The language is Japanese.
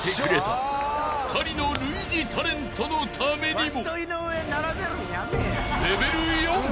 ［２人の類似タレントのためにも］